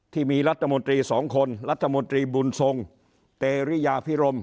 ที่มีรัฐมนตรี๒คนรัฐมนตรีบุญทรงเตรียพิรม